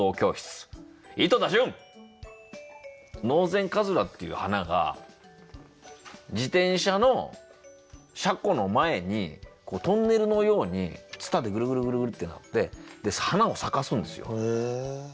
ノウゼンカズラっていう花が自転車の車庫の前にトンネルのようにつたでグルグルグルッてなって花を咲かすんですよ。